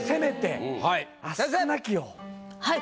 はい。